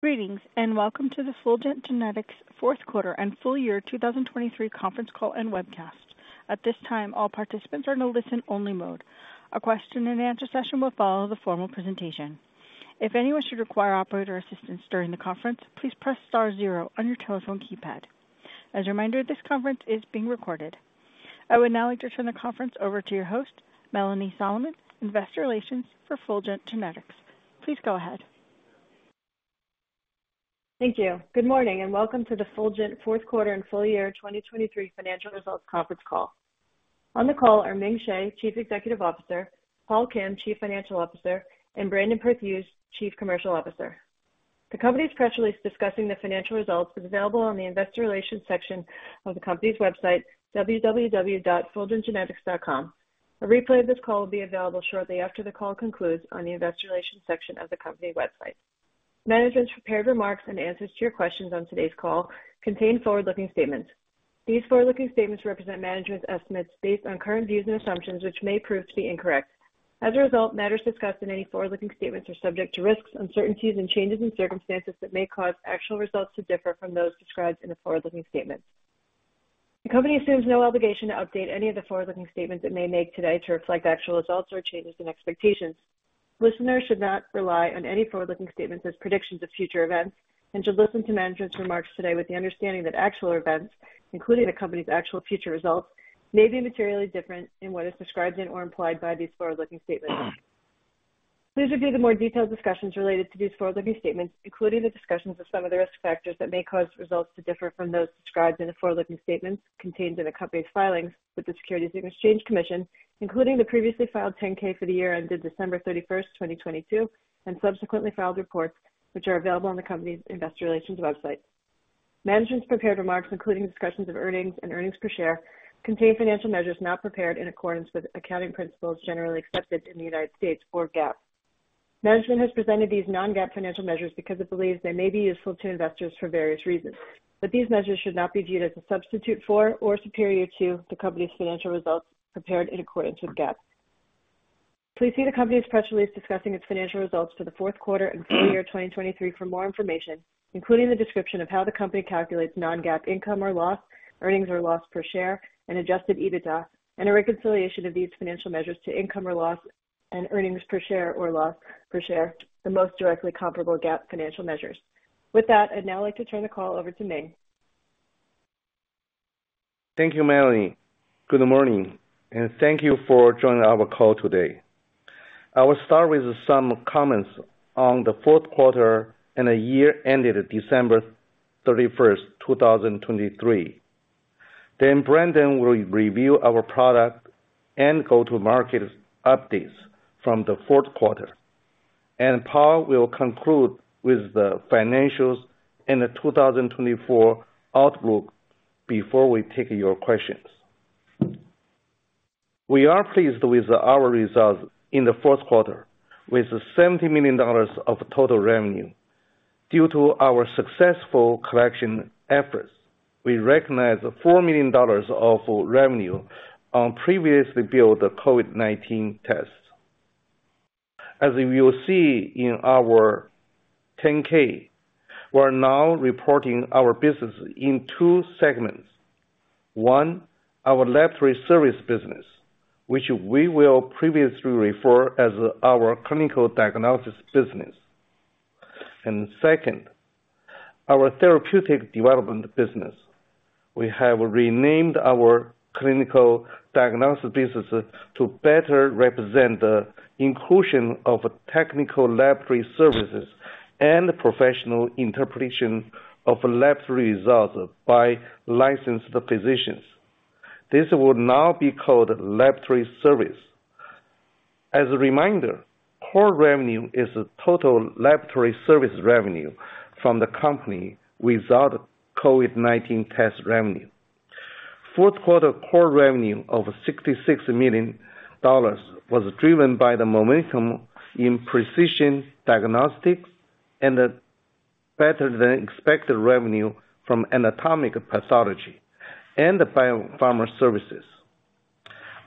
Greetings and welcome to the Fulgent Genetics fourth quarter and full year 2023 conference call and webcast. At this time, all participants are in a listen-only mode. A question-and-answer session will follow the formal presentation. If anyone should require operator assistance during the conference, please press star zero on your telephone keypad. As a reminder, this conference is being recorded. I would now like to turn the conference over to your host, Melanie Solomon, Investor Relations for Fulgent Genetics. Please go ahead. Thank you. Good morning and welcome to the Fulgent fourth quarter and full year 2023 financial results conference call. On the call are Ming Hsieh, Chief Executive Officer, Paul Kim, Chief Financial Officer, and Brandon Perthuis, Chief Commercial Officer. The company's press release discussing the financial results is available on the Investor Relations section of the company's website, www.fulgentgenetics.com. A replay of this call will be available shortly after the call concludes on the Investor Relations section of the company website. Management's prepared remarks and answers to your questions on today's call contain forward-looking statements. These forward-looking statements represent management's estimates based on current views and assumptions, which may prove to be incorrect. As a result, matters discussed in any forward-looking statements are subject to risks, uncertainties, and changes in circumstances that may cause actual results to differ from those described in the forward-looking statements. The company assumes no obligation to update any of the forward-looking statements it may make today to reflect actual results or changes in expectations. Listeners should not rely on any forward-looking statements as predictions of future events and should listen to management's remarks today with the understanding that actual events, including the company's actual future results, may be materially different in what is described in or implied by these forward-looking statements. Please review the more detailed discussions related to these forward-looking statements, including the discussions of some of the risk factors that may cause results to differ from those described in the forward-looking statements contained in the company's filings with the Securities and Exchange Commission, including the previously filed 10-K for the year ended December 31st, 2022, and subsequently filed reports, which are available on the company's Investor Relations website. Management's prepared remarks, including discussions of earnings and earnings per share, contain financial measures not prepared in accordance with accounting principles generally accepted in the United States, or GAAP. Management has presented these non-GAAP financial measures because it believes they may be useful to investors for various reasons, but these measures should not be viewed as a substitute for or superior to the company's financial results prepared in accordance with GAAP. Please see the company's press release discussing its financial results for the fourth quarter and full year 2023 for more information, including the description of how the company calculates non-GAAP income or loss, earnings or loss per share, and Adjusted EBITDA, and a reconciliation of these financial measures to income or loss and earnings per share or loss per share, the most directly comparable GAAP financial measures. With that, I'd now like to turn the call over to Ming. Thank you, Melanie. Good morning, and thank you for joining our call today. I will start with some comments on the fourth quarter and the year ended December 31st, 2023. Then Brandon will review our product and go-to-market updates from the fourth quarter, and Paul will conclude with the financials and the 2024 outlook before we take your questions. We are pleased with our results in the fourth quarter, with $70 million of total revenue. Due to our successful collection efforts, we recognize $4 million of revenue on previously billed COVID-19 tests. As you will see in our 10-K, we are now reporting our business in two segments. One, our laboratory service business, which we will previously refer as our clinical diagnosis business. And second, our therapeutic development business. We have renamed our clinical diagnosis business to better represent the inclusion of technical laboratory services and professional interpretation of laboratory results by licensed physicians. This will now be called laboratory service. As a reminder, core revenue is total laboratory service revenue from the company without COVID-19 test revenue. Fourth quarter core revenue of $66 million was driven by the momentum in precision diagnostics and better-than-expected revenue from anatomic pathology and biopharma services.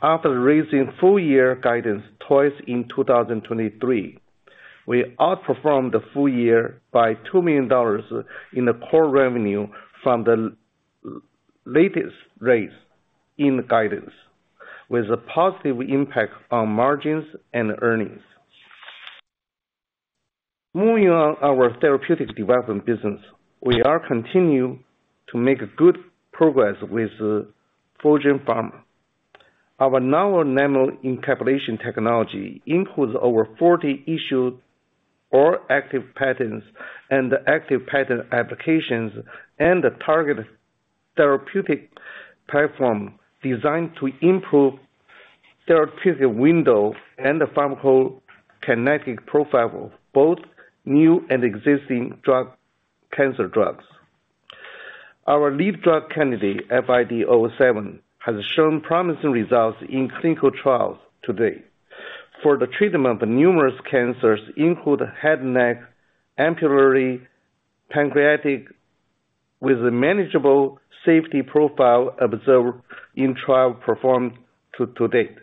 After raising full-year guidance twice in 2023, we outperformed the full year by $2 million in the core revenue from the latest raise in guidance, with a positive impact on margins and earnings. Moving on our therapeutic development business, we are continuing to make good progress with Fulgent Pharma. Our novel nanoencapsulation technology includes over 40 issued or active patents and active patent applications and a targeted therapeutic platform designed to improve therapeutic window and pharmacokinetic profile, both new and existing cancer drugs. Our lead drug candidate, FID-007, has shown promising results in clinical trials today for the treatment of numerous cancers, including head and neck, ampullary, pancreatic, with a manageable safety profile observed in trials performed to date.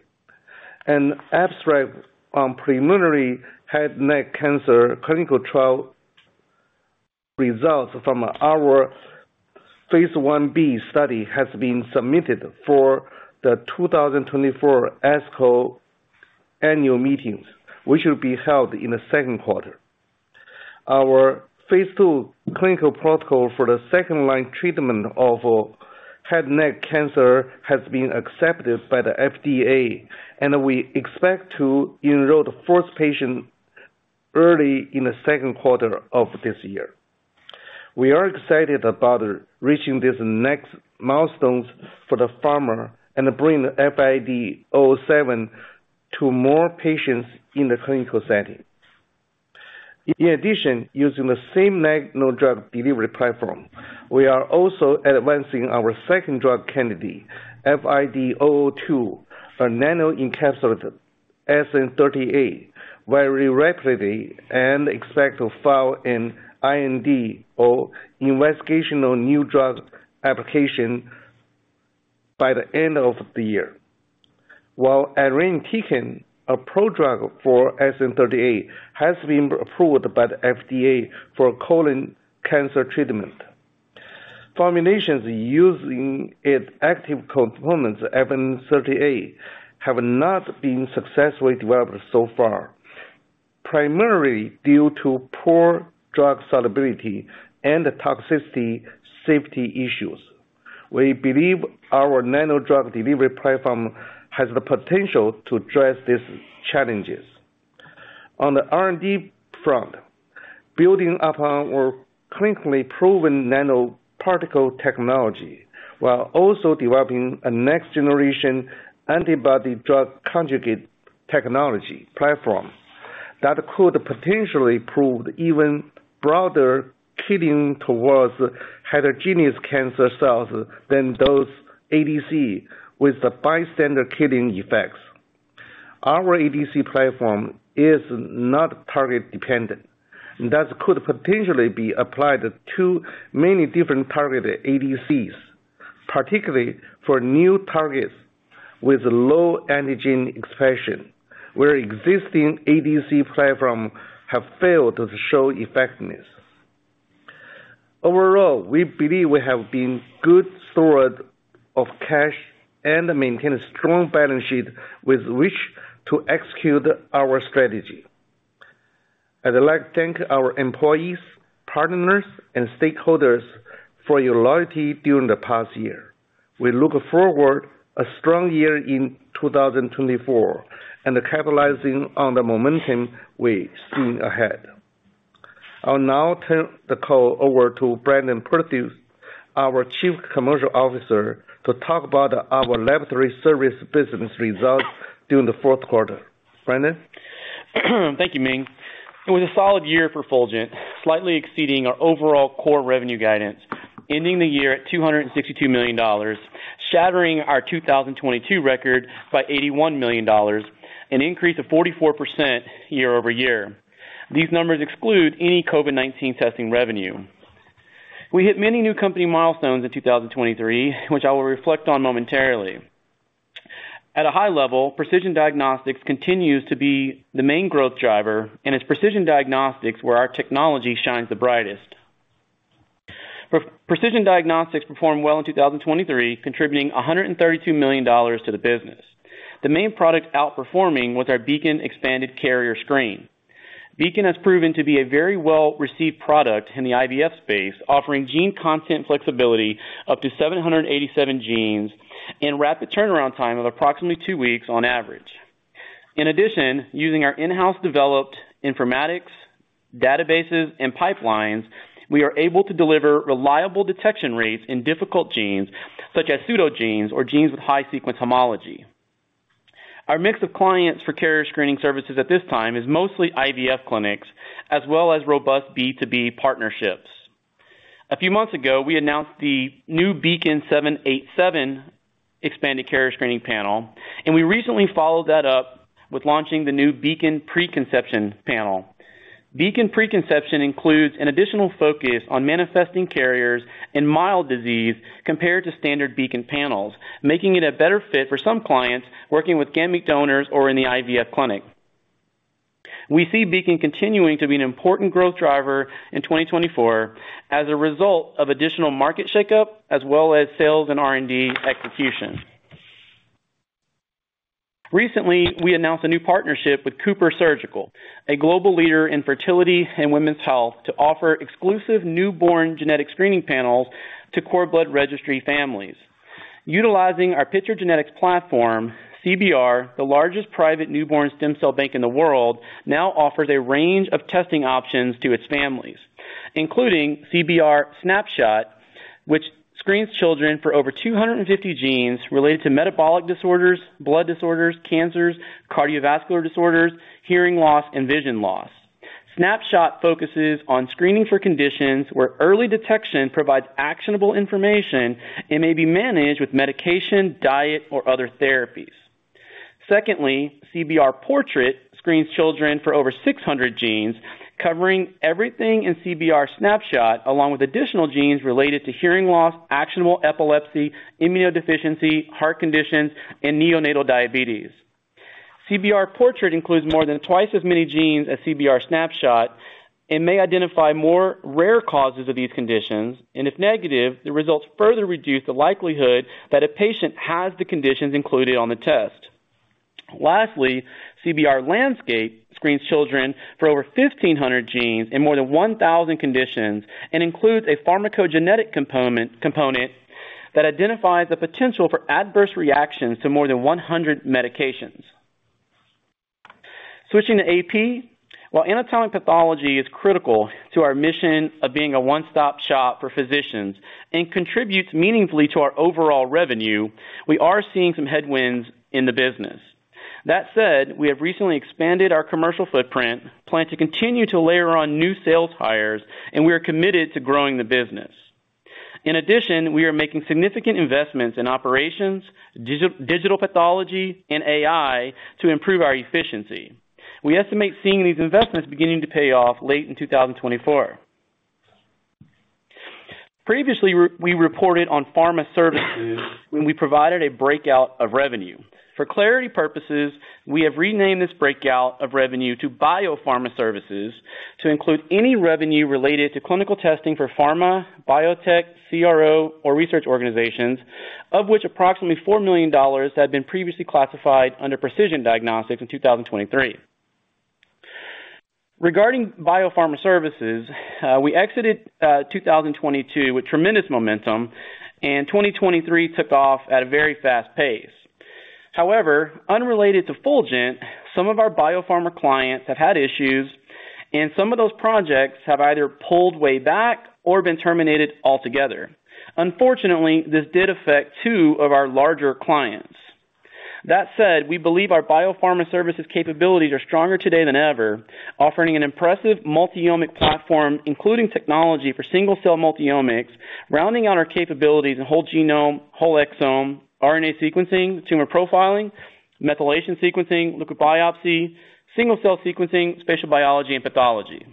An abstract on preliminary head and neck cancer clinical trial results from our phase IB study has been submitted for the 2024 ASCO annual meetings, which will be held in the second quarter. Our phase II clinical protocol for the second-line treatment of head and neck cancer has been accepted by the FDA, and we expect to enroll the fourth patient early in the second quarter of this year. We are excited about reaching these next milestones for the pharma and bringing FID-007 to more patients in the clinical setting. In addition, using the same nano drug delivery platform, we are also advancing our second drug candidate, FID-022, a nanoencapsulated SN-38, very rapidly and expect to file an IND or investigational new drug application by the end of the year. While Irinotecan, a prodrug for SN-38, has been approved by the FDA for colon cancer treatment, formulations using its active components, SN-38, have not been successfully developed so far, primarily due to poor drug solubility and toxicity safety issues. We believe our nano drug delivery platform has the potential to address these challenges. On the R&D front, building upon our clinically proven nanoparticle technology, we are also developing a next-generation antibody-drug conjugate technology platform that could potentially prove even broader killing towards heterogeneous cancer cells than those ADC, with bystander killing effects. Our ADC platform is not target-dependent, and that could potentially be applied to many different targeted ADCs, particularly for new targets with low antigen expression, where existing ADC platforms have failed to show effectiveness. Overall, we believe we have a good store of cash and maintain a strong balance sheet with which to execute our strategy. I would like to thank our employees, partners, and stakeholders for your loyalty during the past year. We look forward to a strong year in 2024 and capitalizing on the momentum we're seeing ahead. I will now turn the call over to Brandon Perthuis, our Chief Commercial Officer, to talk about our laboratory service business results during the fourth quarter. Brandon? Thank you, Ming. It was a solid year for Fulgent, slightly exceeding our overall core revenue guidance, ending the year at $262 million, shattering our 2022 record by $81 million, an increase of 44% year-over-year. These numbers exclude any COVID-19 testing revenue. We hit many new company milestones in 2023, which I will reflect on momentarily. At a high level, precision diagnostics continues to be the main growth driver, and it's precision diagnostics where our technology shines the brightest. Precision diagnostics performed well in 2023, contributing $132 million to the business. The main product outperforming was our Beacon Expanded Carrier Screen. Beacon has proven to be a very well-received product in the IVF space, offering gene content flexibility of up to 787 genes and rapid turnaround time of approximately two weeks on average. In addition, using our in-house developed informatics, databases, and pipelines, we are able to deliver reliable detection rates in difficult genes, such as pseudogenes or genes with high-sequence homology. Our mix of clients for carrier screening services at this time is mostly IVF clinics, as well as robust B2B partnerships. A few months ago, we announced the new Beacon 787 Expanded Carrier Screening panel, and we recently followed that up with launching the new Beacon Preconception panel. Beacon Preconception includes an additional focus on manifesting carriers in mild disease compared to standard Beacon panels, making it a better fit for some clients working with gamete donors or in the IVF clinic. We see Beacon continuing to be an important growth driver in 2024 as a result of additional market shakeup, as well as sales and R&D execution. Recently, we announced a new partnership with CooperSurgical, a global leader in fertility and women's health, to offer exclusive newborn genetic screening panels to Cord Blood Registry families. Utilizing our Picture Genetics platform, CBR, the largest private newborn stem cell bank in the world, now offers a range of testing options to its families, including CBR Snapshot, which screens children for over 250 genes related to metabolic disorders, blood disorders, cancers, cardiovascular disorders, hearing loss, and vision loss. Snapshot focuses on screening for conditions where early detection provides actionable information and may be managed with medication, diet, or other therapies. Secondly, CBR Portrait screens children for over 600 genes, covering everything in CBR Snapshot, along with additional genes related to hearing loss, actionable epilepsy, immunodeficiency, heart conditions, and neonatal diabetes. CBR Portrait includes more than twice as many genes as CBR Snapshot and may identify more rare causes of these conditions, and if negative, the results further reduce the likelihood that a patient has the conditions included on the test. Lastly, CBR Landscape screens children for over 1,500 genes in more than 1,000 conditions and includes a pharmacogenetic component that identifies the potential for adverse reactions to more than 100 medications. Switching to AP, while anatomic pathology is critical to our mission of being a one-stop shop for physicians and contributes meaningfully to our overall revenue, we are seeing some headwinds in the business. That said, we have recently expanded our commercial footprint, plan to continue to layer on new sales hires, and we are committed to growing the business. In addition, we are making significant investments in operations, digital pathology, and AI to improve our efficiency. We estimate seeing these investments beginning to pay off late in 2024. Previously, we reported on pharma services when we provided a breakout of revenue. For clarity purposes, we have renamed this breakout of revenue to biopharma services to include any revenue related to clinical testing for pharma, biotech, CRO, or research organizations, of which approximately $4 million had been previously classified under precision diagnostics in 2023. Regarding biopharma services, we exited 2022 with tremendous momentum, and 2023 took off at a very fast pace. However, unrelated to Fulgent, some of our biopharma clients have had issues, and some of those projects have either pulled way back or been terminated altogether. Unfortunately, this did affect two of our larger clients. That said, we believe our biopharma services capabilities are stronger today than ever, offering an impressive multiomic platform, including technology for single-cell multiomics, rounding out our capabilities in whole genome, whole exome, RNA sequencing, tumor profiling, methylation sequencing, liquid biopsy, single-cell sequencing, spatial biology, and pathology.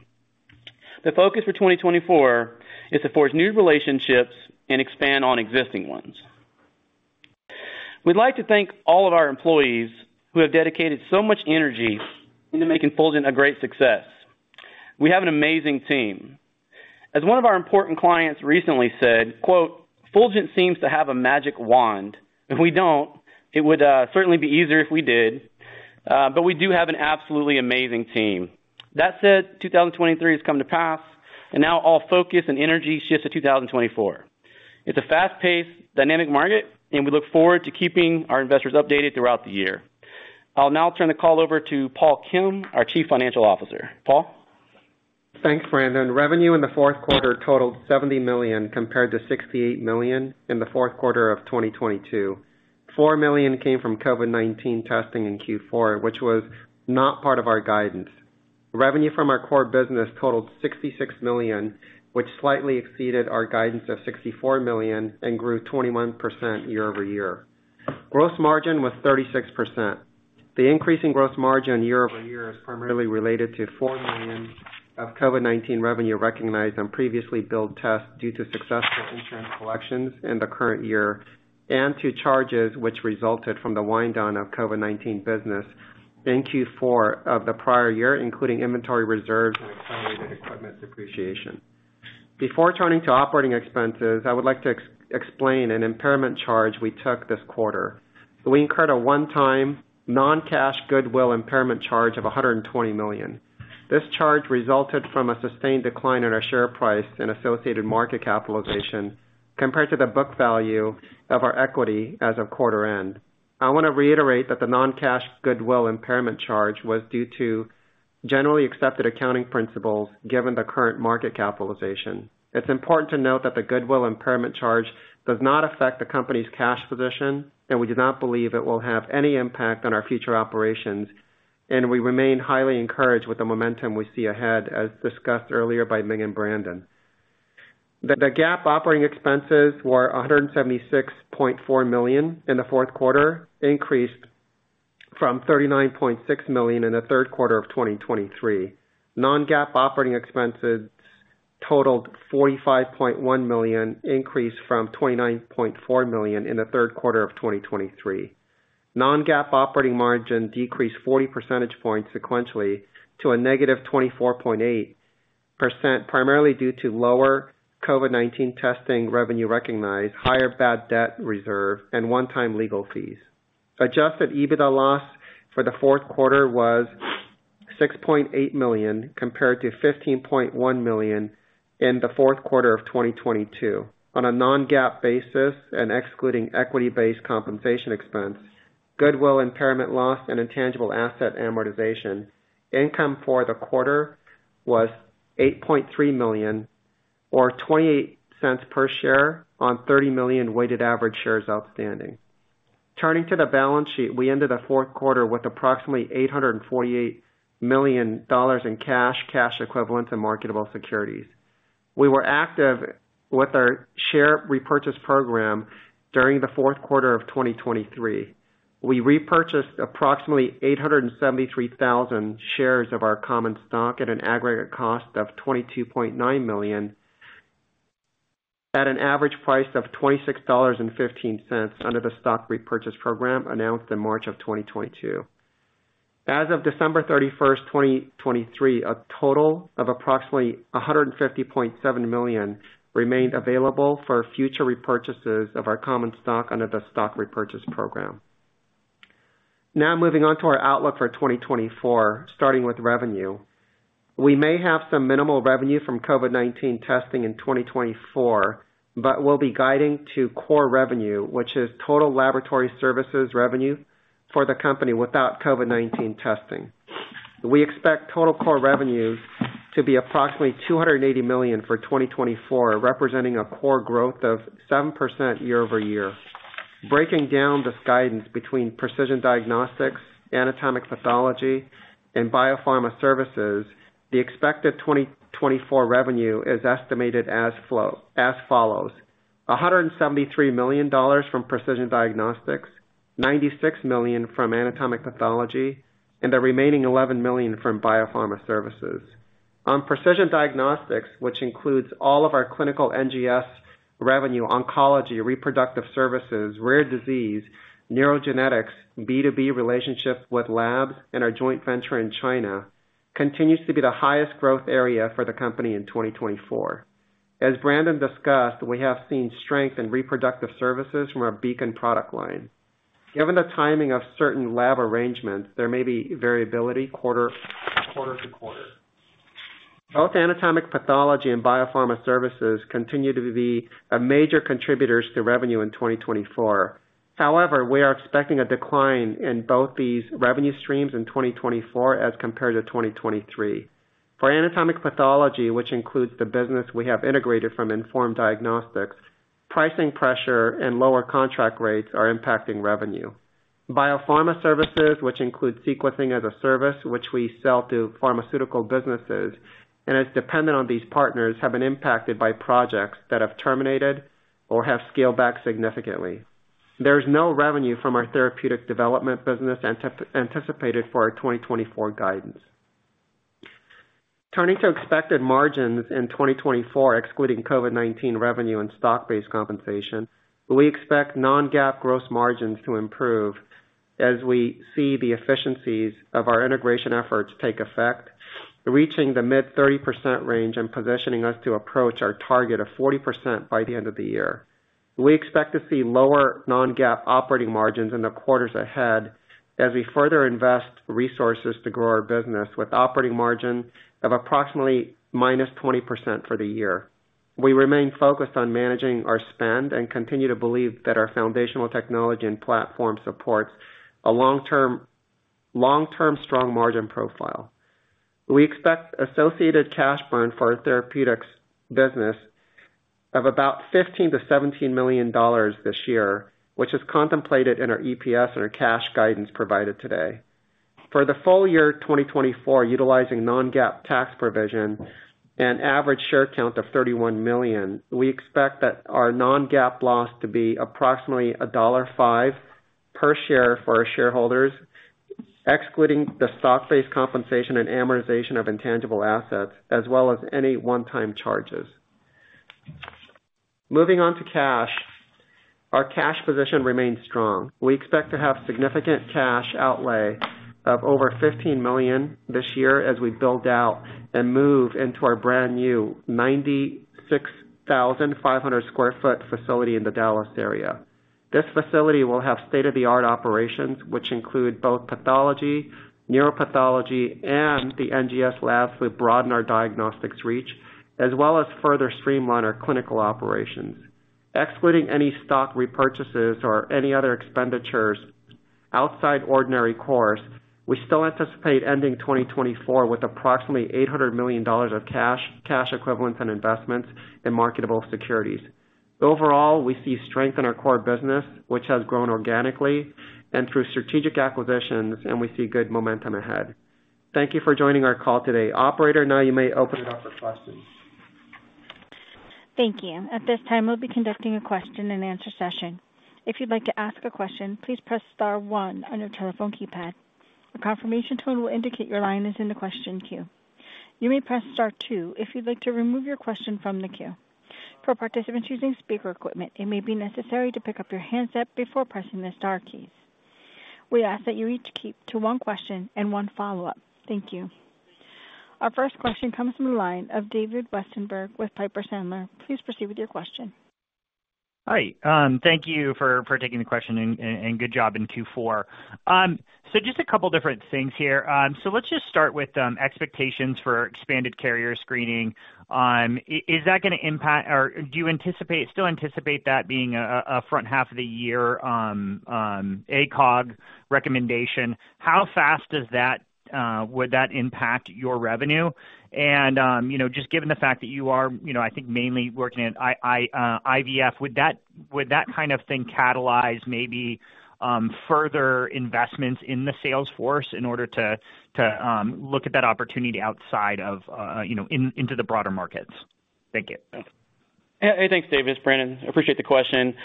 The focus for 2024 is to forge new relationships and expand on existing ones. We'd like to thank all of our employees who have dedicated so much energy into making Fulgent a great success. We have an amazing team. As one of our important clients recently said, "Fulgent seems to have a magic wand. If we don't, it would certainly be easier if we did. But we do have an absolutely amazing team." That said, 2023 has come to pass, and now all focus and energy shifts to 2024. It's a fast-paced, dynamic market, and we look forward to keeping our investors updated throughout the year. I'll now turn the call over to Paul Kim, our Chief Financial Officer. Paul? Thanks, Brandon. Revenue in the fourth quarter totaled 70 million compared to 68 million in the fourth quarter of 2022. $4 million came from COVID-19 testing in Q4, which was not part of our guidance. Revenue from our core business totaled 66 million, which slightly exceeded our guidance of $64 million and grew 21% year-over-year. Gross margin was 36%. The increase in gross margin year-over-year is primarily related to 4 million of COVID-19 revenue recognized on previously billed tests due to successful insurance collections in the current year and to charges which resulted from the wind-down of COVID-19 business in Q4 of the prior year, including inventory reserves and accelerated equipment depreciation. Before turning to operating expenses, I would like to explain an impairment charge we took this quarter. We incurred a one-time, non-cash goodwill impairment charge of $120 million. This charge resulted from a sustained decline in our share price and associated market capitalization compared to the book value of our equity as of quarter end. I want to reiterate that the non-cash goodwill impairment charge was due to generally accepted accounting principles given the current market capitalization. It's important to note that the goodwill impairment charge does not affect the company's cash position, and we do not believe it will have any impact on our future operations, and we remain highly encouraged with the momentum we see ahead, as discussed earlier by Ming and Brandon. The GAAP operating expenses were 176.4 million in the fourth quarter, increased from 39.6 million in the third quarter of 2023. Non-GAAP operating expenses totaled 45.1 million, increased from 29.4 million in the third quarter of 2023. Non-GAAP operating margin decreased 40 percentage points sequentially to a negative 24.8%, primarily due to lower COVID-19 testing revenue recognized, higher bad debt reserve, and one-time legal fees. Adjusted EBITDA loss for the fourth quarter was 6.8 million compared to 15.1 million in the fourth quarter of 2022. On a non-GAAP basis and excluding equity-based compensation expense, goodwill impairment loss, and intangible asset amortization, income for the quarter was 8.3 million or 0.28 per share on 30 million weighted average shares outstanding. Turning to the balance sheet, we ended the fourth quarter with approximately $848 million in cash, cash equivalents, and marketable securities. We were active with our share repurchase program during the fourth quarter of 2023. We repurchased approximately 873,000 shares of our common stock at an aggregate cost of 22.9 million at an average price of $26.15 under the stock repurchase program announced in March of 2022. As of December 31st, 2023, a total of approximately 150.7 million remained available for future repurchases of our common stock under the stock repurchase program. Now moving on to our outlook for 2024, starting with revenue. We may have some minimal revenue from COVID-19 testing in 2024, but we'll be guiding to core revenue, which is total laboratory services revenue for the company without COVID-19 testing. We expect total core revenue to be approximately $280 million for 2024, representing a core growth of 7% year-over-year. Breaking down this guidance between precision diagnostics, anatomic pathology, and biopharma services, the expected 2024 revenue is estimated as follows: $173 million from precision diagnostics, 96 million from anatomic pathology, and the remaining 11 million from biopharma services. On precision diagnostics, which includes all of our clinical NGS revenue, oncology, reproductive services, rare disease, neurogenetics, B2B relationship with labs, and our joint venture in China, continues to be the highest growth area for the company in 2024. As Brandon discussed, we have seen strength in reproductive services from our Beacon product line. Given the timing of certain lab arrangements, there may be variability quarter to quarter. Both anatomic pathology and biopharma services continue to be major contributors to revenue in 2024. However, we are expecting a decline in both these revenue streams in 2024 as compared to 2023. For anatomic pathology, which includes the business we have integrated from Inform Diagnostics, pricing pressure and lower contract rates are impacting revenue. Biopharma services, which include sequencing as a service, which we sell to pharmaceutical businesses and is dependent on these partners, have been impacted by projects that have terminated or have scaled back significantly. There is no revenue from our therapeutic development business anticipated for our 2024 guidance. Turning to expected margins in 2024, excluding COVID-19 revenue and stock-based compensation, we expect non-GAAP gross margins to improve as we see the efficiencies of our integration efforts take effect, reaching the mid-30% range, and positioning us to approach our target of 40% by the end of the year. We expect to see lower non-GAAP operating margins in the quarters ahead as we further invest resources to grow our business with an operating margin of approximately -20% for the year. We remain focused on managing our spend and continue to believe that our foundational technology and platform supports a long-term strong margin profile. We expect associated cash burn for our therapeutics business of about $15-$17 million this year, which is contemplated in our EPS and our cash guidance provided today. For the full year 2024, utilizing non-GAAP tax provision and an average share count of 31 million, we expect that our non-GAAP loss to be approximately $1.05 per share for our shareholders, excluding the stock-based compensation and amortization of intangible assets, as well as any one-time charges. Moving on to cash, our cash position remains strong. We expect to have significant cash outlay of over 15 million this year as we build out and move into our brand new 96,500-square-foot facility in the Dallas area. This facility will have state-of-the-art operations, which include both pathology, neuropathology, and the NGS labs to broaden our diagnostics reach, as well as further streamline our clinical operations. Excluding any stock repurchases or any other expenditures outside ordinary course, we still anticipate ending 2024 with approximately $800 million of cash equivalents and investments in marketable securities. Overall, we see strength in our core business, which has grown organically and through strategic acquisitions, and we see good momentum ahead. Thank you for joining our call today, Operator. Now you may open it up for questions. Thank you. At this time, we'll be conducting a question-and-answer session. If you'd like to ask a question, please press star one on your telephone keypad. A confirmation tone will indicate your line is in the question queue. You may press star two if you'd like to remove your question from the queue. For participants using speaker equipment, it may be necessary to pick up your handset before pressing the star keys. We ask that you each keep to one question and one follow-up. Thank you. Our first question comes from the line of David Westenberg with Piper Sandler. Please proceed with your question. Hi. Thank you for taking the question, and good job in Q4. So just a couple of different things here. So let's just start with expectations for Expanded Carrier Screening. Is that going to impact, or do you still anticipate that being a front half of the year ACOG recommendation? How fast would that impact your revenue? And just given the fact that you are, I think, mainly working at IVF, would that kind of thing catalyze maybe further investments in the sales force in order to look at that opportunity outside of into the broader markets? Thank you. Hey, thanks, David. It's Brandon. Appreciate the question.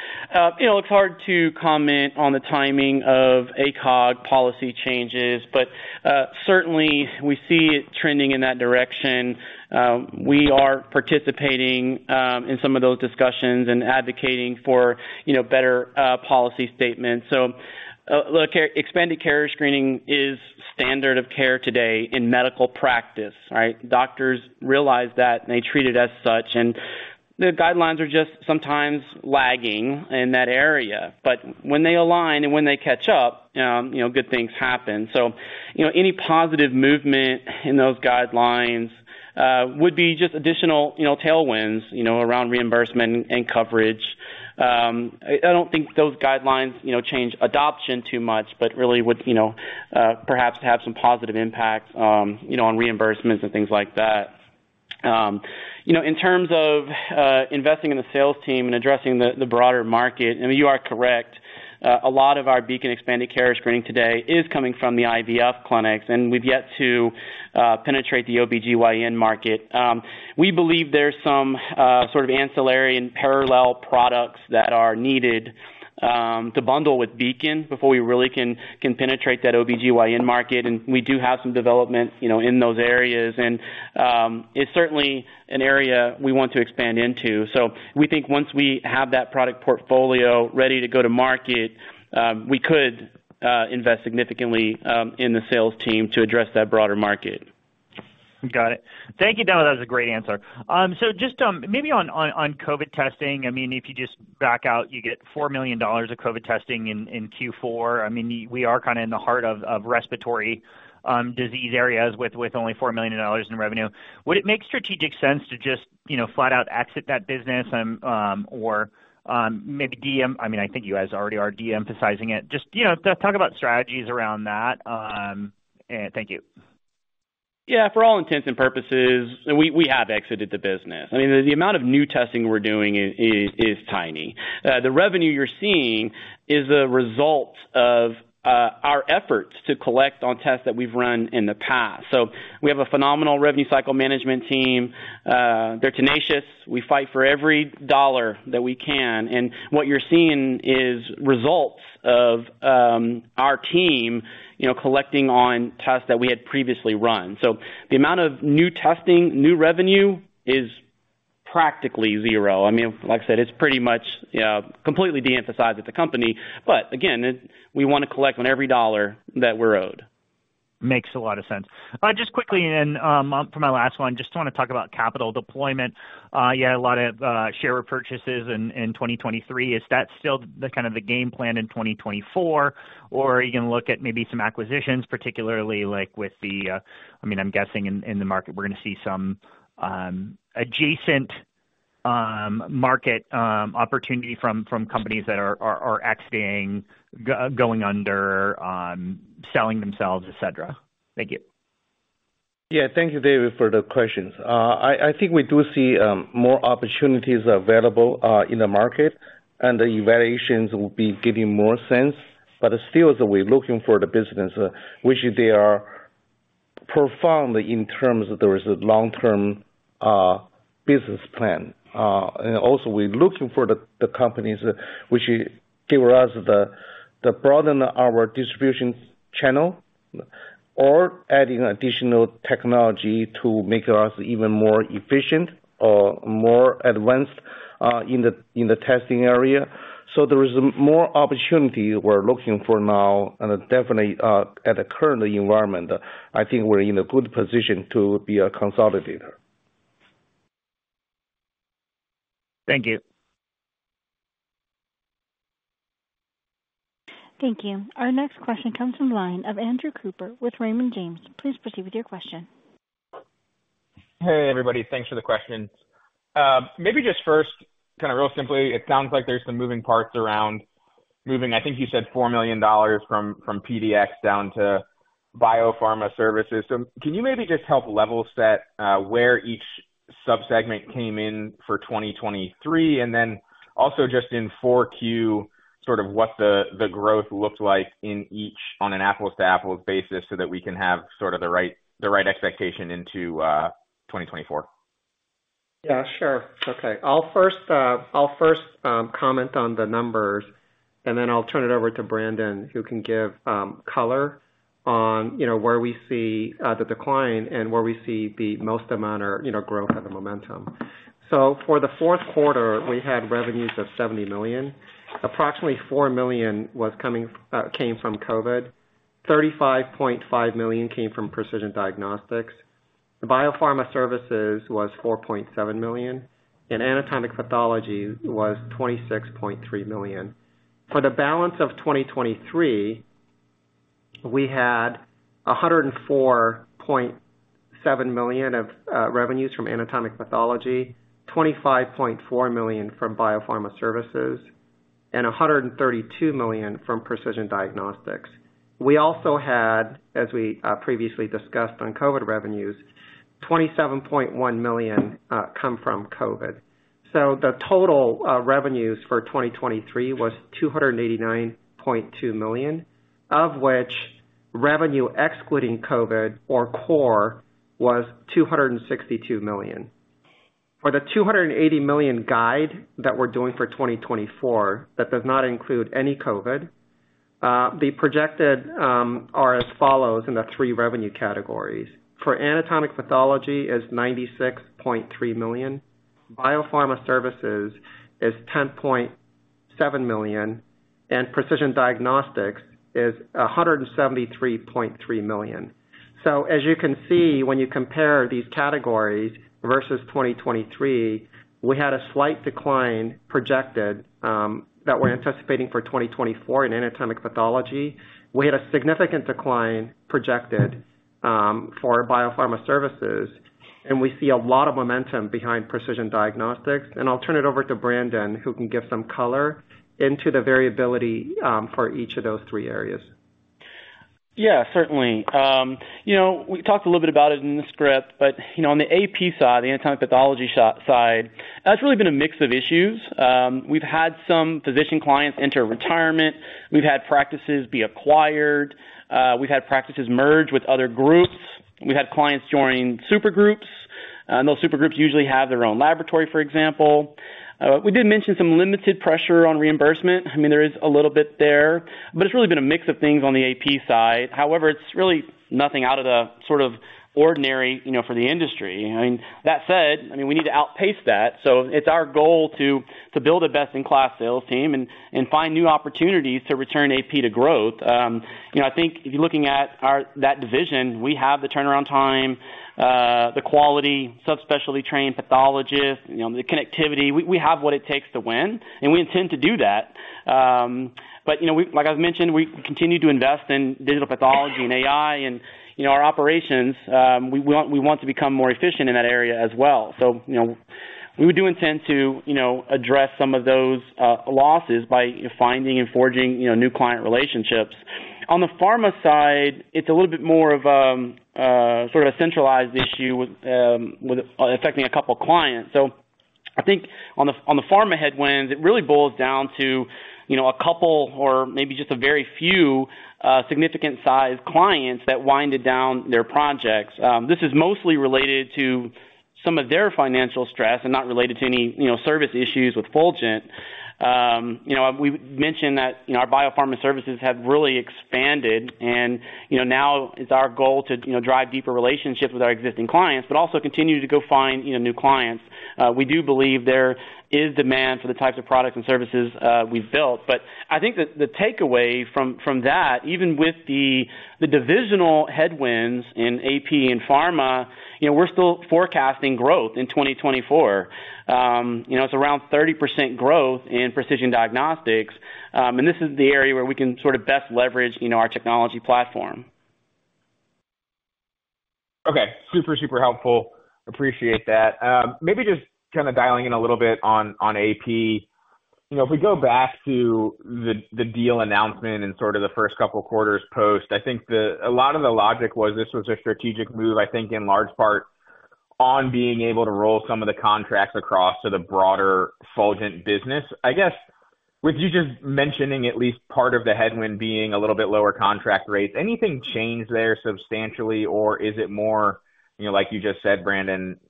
It looks hard to comment on the timing of ACOG policy changes, but certainly, we see it trending in that direction. We are participating in some of those discussions and advocating for better policy statements. So look, expanded carrier screening is standard of care today in medical practice, right? Doctors realize that, and they treat it as such. And the guidelines are just sometimes lagging in that area. But when they align and when they catch up, good things happen. So any positive movement in those guidelines would be just additional tailwinds around reimbursement and coverage. I don't think those guidelines change adoption too much, but really would perhaps have some positive impacts on reimbursements and things like that. In terms of investing in the sales team and addressing the broader market, I mean, you are correct. A lot of our Beacon Expanded Carrier Screening today is coming from the IVF clinics, and we've yet to penetrate the OB-GYN market. We believe there's some sort of ancillary and parallel products that are needed to bundle with Beacon before we really can penetrate that OB-GYN market. We do have some development in those areas, and it's certainly an area we want to expand into. We think once we have that product portfolio ready to go to market, we could invest significantly in the sales team to address that broader market. Got it. Thank you, Brandon. That was a great answer. So just maybe on COVID testing, I mean, if you just back out, you get $4 million of COVID testing in Q4. I mean, we are kind of in the heart of respiratory disease areas with only $4 million in revenue. Would it make strategic sense to just flat out exit that business or maybe de-emphasize? I mean, I think you guys already are de-emphasizing it. Just talk about strategies around that. Thank you. Yeah. For all intents and purposes, we have exited the business. I mean, the amount of new testing we're doing is tiny. The revenue you're seeing is the result of our efforts to collect on tests that we've run in the past. So we have a phenomenal revenue cycle management team. They're tenacious. We fight for every dollar that we can. And what you're seeing is results of our team collecting on tests that we had previously run. So the amount of new testing, new revenue is practically zero. I mean, like I said, it's pretty much completely de-emphasized at the company. But again, we want to collect on every dollar that we're owed. Makes a lot of sense. Just quickly, and for my last one, just want to talk about capital deployment. You had a lot of share repurchases in 2023. Is that still kind of the game plan in 2024, or are you going to look at maybe some acquisitions, particularly with the I mean, I'm guessing in the market, we're going to see some adjacent market opportunity from companies that are exiting, going under, selling themselves, etc.? Thank you. Yeah. Thank you, David, for the questions. I think we do see more opportunities available in the market, and the evaluations will be giving more sense. But still, we're looking for the business, which they are profound in terms of there is a long-term business plan. And also, we're looking for the companies which give us to broaden our distribution channel or adding additional technology to make us even more efficient or more advanced in the testing area. So there is more opportunity we're looking for now. And definitely, at the current environment, I think we're in a good position to be a consolidator. Thank you. Thank you. Our next question comes from the line of Andrew Cooper with Raymond James. Please proceed with your question. Hey, everybody. Thanks for the questions. Maybe just first, kind of real simply, it sounds like there's some moving parts around moving, I think you said, $4 million from PDX down to biopharma services. So can you maybe just help level set where each subsegment came in for 2023, and then also just in 4Q sort of what the growth looked like on an apples-to-apples basis so that we can have sort of the right expectation into 2024? Yeah, sure. Okay. I'll first comment on the numbers, and then I'll turn it over to Brandon, who can give color on where we see the decline and where we see the most amount of growth at the momentum. So for the fourth quarter, we had revenues of 70 million. Approximately 4 million came from COVID. 35.5 million came from precision diagnostics. The biopharma services was 4.7 million, and anatomic pathology was 26.3 million. For the balance of 2023, we had 104.7 million of revenues from anatomic pathology, 25.4 million from biopharma services, and 132 million from precision diagnostics. We also had, as we previously discussed on COVID revenues, $27.1 million come from COVID. So the total revenues for 2023 was 289.2 million, of which revenue excluding COVID or core was $262 million. For the 280 million guide that we're doing for 2024 that does not include any COVID, the projected are as follows in the three revenue categories. For anatomic pathology is 96.3 million. Biopharma services is 10.7 million, and precision diagnostics is 173.3 million. So as you can see, when you compare these categories versus 2023, we had a slight decline projected that we're anticipating for 2024 in anatomic pathology. We had a significant decline projected for biopharma services, and we see a lot of momentum behind precision diagnostics. And I'll turn it over to Brandon, who can give some color into the variability for each of those three areas. Yeah, certainly. We talked a little bit about it in the script, but on the AP side, the anatomic pathology side, that's really been a mix of issues. We've had some physician clients enter retirement. We've had practices be acquired. We've had practices merge with other groups. We've had clients join super groups, and those super groups usually have their own laboratory, for example. We did mention some limited pressure on reimbursement. I mean, there is a little bit there, but it's really been a mix of things on the AP side. However, it's really nothing out of the ordinary for the industry. I mean, that said, I mean, we need to outpace that. So it's our goal to build a best-in-class sales team and find new opportunities to return AP to growth. I think if you're looking at that division, we have the turnaround time, the quality, subspecialty-trained pathologists, the connectivity. We have what it takes to win, and we intend to do that. But like I've mentioned, we continue to invest in digital pathology and AI in our operations. We want to become more efficient in that area as well. So we do intend to address some of those losses by finding and forging new client relationships. On the pharma side, it's a little bit more of sort of a centralized issue affecting a couple of clients. So I think on the pharma headwinds, it really boils down to a couple or maybe just a very few significant-sized clients that wound down their projects. This is mostly related to some of their financial stress and not related to any service issues with Fulgent. We mentioned that our biopharma services have really expanded, and now it's our goal to drive deeper relationships with our existing clients, but also continue to go find new clients. We do believe there is demand for the types of products and services we've built. But I think the takeaway from that, even with the divisional headwinds in AP and pharma, we're still forecasting growth in 2024. It's around 30% growth in precision diagnostics. This is the area where we can sort of best leverage our technology platform. Okay. Super, super helpful. Appreciate that. Maybe just kind of dialing in a little bit on AP, if we go back to the deal announcement and sort of the first couple of quarters post, I think a lot of the logic was this was a strategic move, I think, in large part on being able to roll some of the contracts across to the broader Fulgent business. I guess with you just mentioning at least part of the headwind being a little bit lower contract rates, anything change there substantially, or is it more, like you just said, Brandon,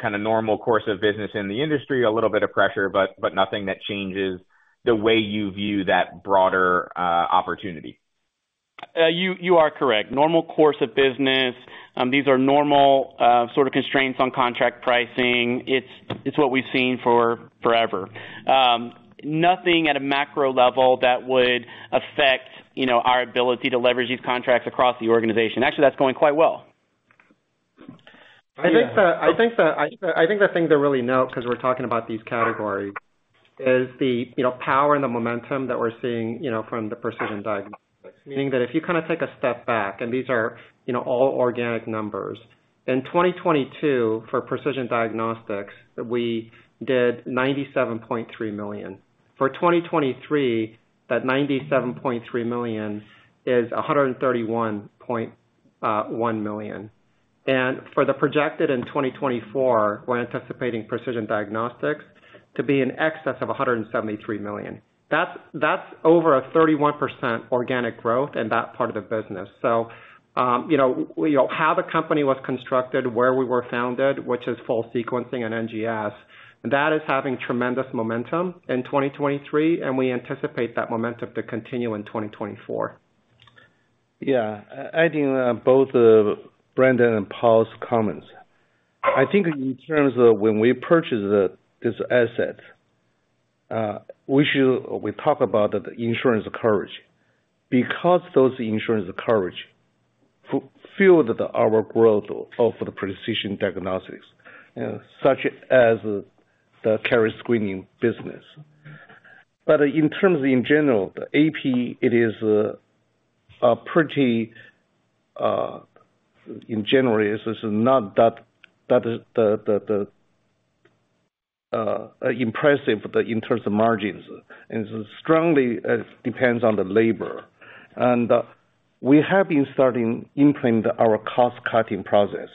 kind of normal course of business in the industry, a little bit of pressure, but nothing that changes the way you view that broader opportunity? You are correct. Normal course of business. These are normal sort of constraints on contract pricing. It's what we've seen forever. Nothing at a macro level that would affect our ability to leverage these contracts across the organization. Actually, that's going quite well. I think the thing to really note because we're talking about these categories is the power and the momentum that we're seeing from the precision diagnostics, meaning that if you kind of take a step back, and these are all organic numbers, in 2022, for precision diagnostics, we did 97.3 million. For 2023, that 97.3 million is 131.1 million. And for the projected in 2024, we're anticipating precision diagnostics to be in exess of $173 million. That's over a 31% organic growth in that part of the business. So how the company was constructed, where we were founded, which is full sequencing and NGS, that is having tremendous momentum in 2023, and we anticipate that momentum to continue in 2024. Yeah. I think both Brandon and Paul's comments. I think in terms of when we purchase this asset, we talk about the insurance coverage because those insurance coverage fueled our growth of the precision diagnostics, such as the carrier screening business. But in terms in general, the AP, it is pretty in general, it's not that impressive in terms of margins. It strongly depends on the labor. And we have been starting implementing our cost-cutting process.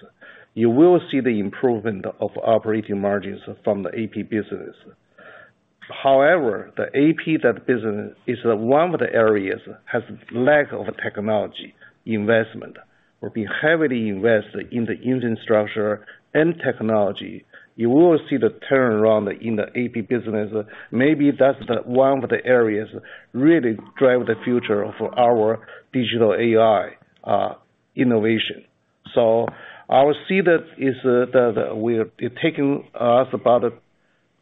You will see the improvement of operating margins from the AP business. However, the AP, that business is one of the areas has lack of technology investment. We're being heavily invested in the infrastructure and technology. You will see the turnaround in the AP business. Maybe that's one of the areas really drive the future of our digital AI innovation. So I will see that it's taking us about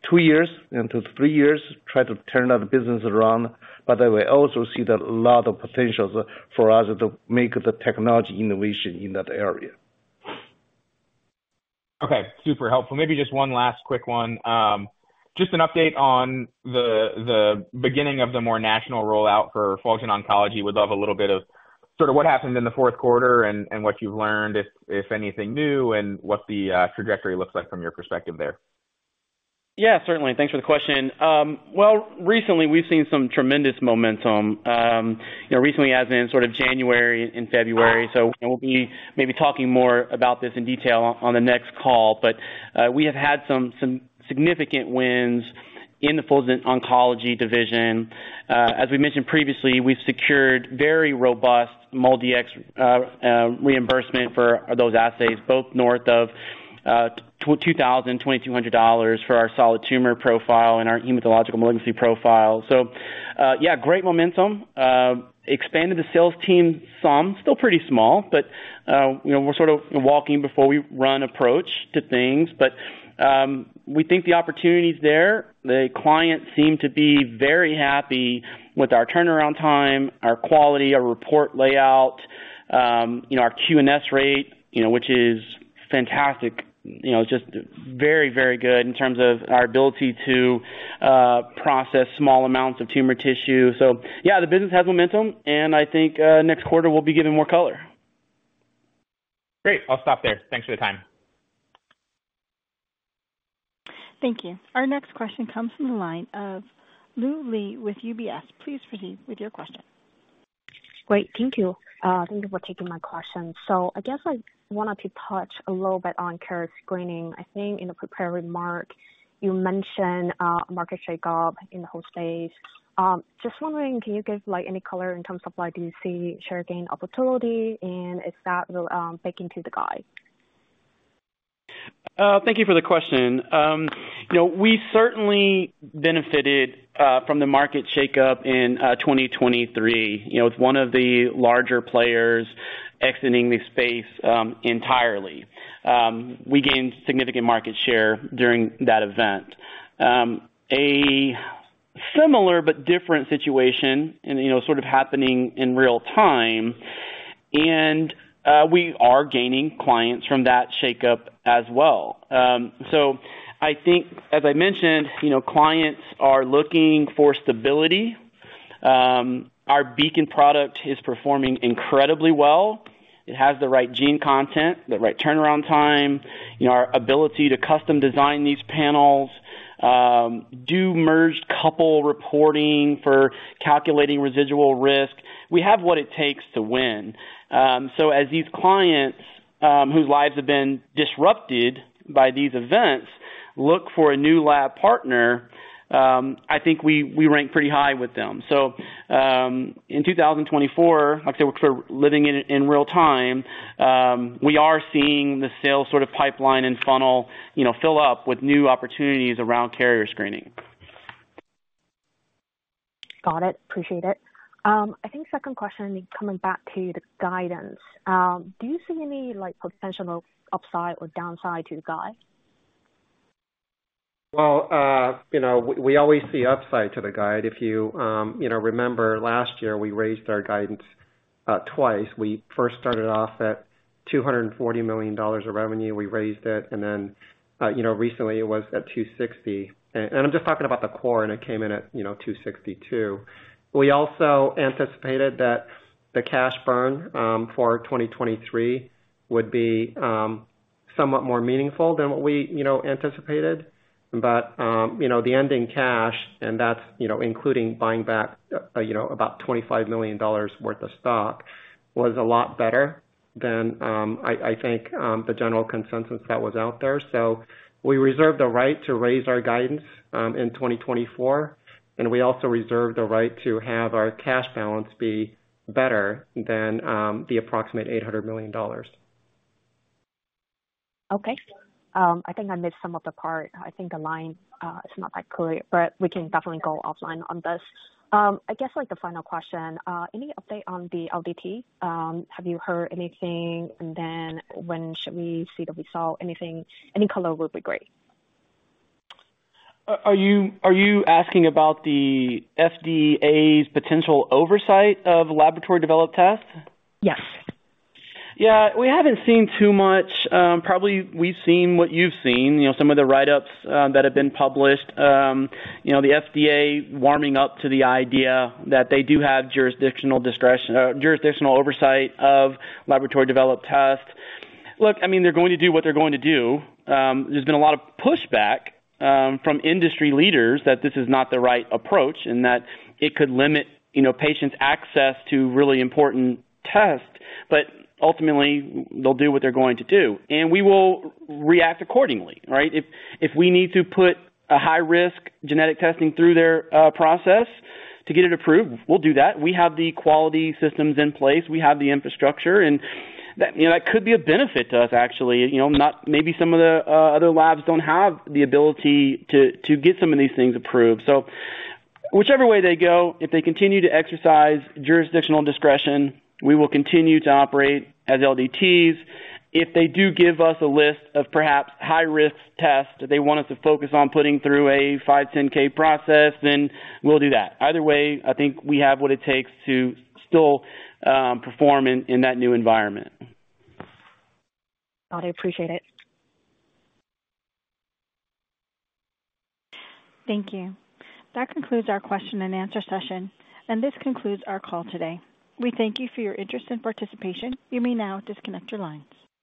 two years into three years try to turn that business around. But we also see a lot of potentials for us to make the technology innovation in that area. Okay. Super helpful. Maybe just one last quick one. Just an update on the beginning of the more national rollout for Fulgent Oncology. We'd love a little bit of sort of what happened in the fourth quarter and what you've learned, if anything new, and what the trajectory looks like from your perspective there? Yeah, certainly. Thanks for the question. Well, recently, we've seen some tremendous momentum, recently as in sort of January and February. So we'll be maybe talking more about this in detail on the next call. But we have had some significant wins in the Fulgent Oncology division. As we mentioned previously, we've secured very robust MolDX reimbursement for those assays, both north of $2,000, $2,200 for our solid tumor profile and our hematological malignancy profile. So yeah, great momentum. Expanded the sales team some, still pretty small, but we're sort of walking before we run approach to things. But we think the opportunities there, the clients seem to be very happy with our turnaround time, our quality, our report layout, our QNS rate, which is fantastic. It's just very, very good in terms of our ability to process small amounts of tumor tissue. So yeah, the business has momentum, and I think next quarter we'll be giving more color. Great. I'll stop there. Thanks for the time. Thank you. Our next question comes from the line of Liu Li with UBS. Please proceed with your question. Great. Thank you. Thank you for taking my question. So I guess I wanted to touch a little bit on carrier screening. I think in the preparatory remark, you mentioned market shakeup in the whole space. Just wondering, can you give any color in terms of do you see share gain opportunity, and is that baked into the guide? Thank you for the question. We certainly benefited from the market shakeup in 2023 with one of the larger players exiting the space entirely. We gained significant market share during that event. A similar but different situation sort of happening in real time, and we are gaining clients from that shakeup as well. So I think, as I mentioned, clients are looking for stability. Our Beacon product is performing incredibly well. It has the right gene content, the right turnaround time, our ability to custom design these panels, do merged couple reporting for calculating residual risk. We have what it takes to win. So as these clients whose lives have been disrupted by these events look for a new lab partner, I think we rank pretty high with them. So in 2024, like I said, we're living in real time. We are seeing the sales sort of pipeline and funnel fill up with new opportunities around carrier screening. Got it. Appreciate it. I think second question, coming back to the guidance, do you see any potential upside or downside to the guide? Well, we always see upside to the guide. If you remember, last year, we raised our guidance twice. We first started off at $240 million of revenue. We raised it, and then recently, it was at $260 million. And I'm just talking about the core, and it came in at $262 million. We also anticipated that the cash burn for 2023 would be somewhat more meaningful than what we anticipated. But the ending cash, and that's including buying back about $25 million worth of stock, was a lot better than, I think, the general consensus that was out there. So we reserve the right to raise our guidance in 2024, and we also reserve the right to have our cash balance be better than the approximate $800 million. Okay. I think I missed some of the part. I think the line is not that clear, but we can definitely go offline on this. I guess the final question, any update on the LDT? Have you heard anything? And then when should we see the result? Any color would be great. Are you asking about the FDA's potential oversight of laboratory-developed tests? Yes. Yeah. We haven't seen too much. Probably we've seen what you've seen, some of the write-ups that have been published, the FDA warming up to the idea that they do have jurisdictional oversight of laboratory-developed tests. Look, I mean, they're going to do what they're going to do. There's been a lot of pushback from industry leaders that this is not the right approach and that it could limit patients' access to really important tests. But ultimately, they'll do what they're going to do, and we will react accordingly, right? If we need to put a high-risk genetic testing through their process to get it approved, we'll do that. We have the quality systems in place. We have the infrastructure. That could be a benefit to us, actually. Maybe some of the other labs don't have the ability to get some of these things approved. So whichever way they go, if they continue to exercise jurisdictional discretion, we will continue to operate as LDTs. If they do give us a list of perhaps high-risk tests that they want us to focus on putting through a 510(k) process, then we'll do that. Either way, I think we have what it takes to still perform in that new environment. Got it. Appreciate it. Thank you. That concludes our question and answer session, and this concludes our call today. We thank you for your interest and participation. You may now disconnect your lines.